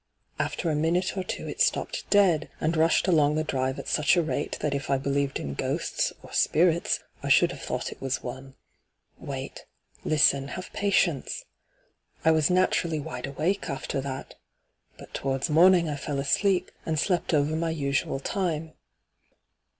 After a minute or two it stopped dead, and rushed along the drive at such a rate that if I believed in ghosts or spirits I should have thought it was one. Wait — listen — have patience I I was naturally wide awake after that But to wards morning I fell asleep, and slept over my usual time.